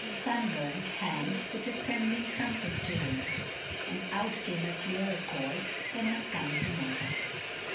Sunburnt hands put a trembling trumpet to her lips, and out came a clearer call than had come to Moya.